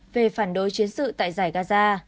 về phản đối chiến sự tại giải gaza